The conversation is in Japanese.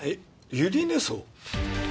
百合根荘？